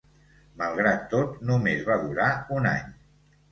Malgrat tot, només va durar un any.